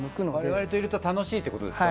我々といると楽しいってことですか？